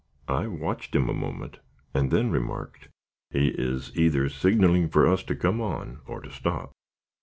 I watched him a moment, and then remarked: "He is either signaling for us to come on or to stop."